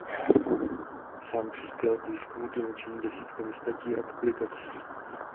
Sám přispěl k výzkumu tlumočení desítkami statí a publikací.